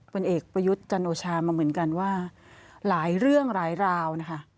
เอกประยุทธ์จันโอชามาเหมือนกันว่าหลายเรื่องหลายราวนะคะ